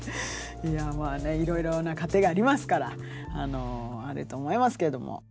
いやまあねいろいろな家庭がありますからあれと思いますけれども。